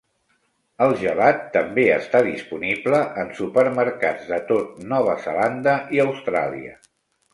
El gelat també està disponible en supermercats de tot Nova Zelanda i Austràlia.